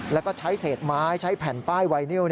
แล้วก็ใช้เศษไม้ใช้แผ่นป้ายไวนิว